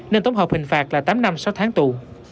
nên tổng hợp hình phạt là tám năm sáu tháng tù